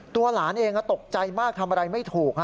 หลานเองตกใจมากทำอะไรไม่ถูก